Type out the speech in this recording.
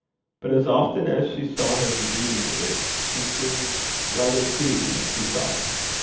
But as often as she saw him reading it, she seemed rather pleased, he thought.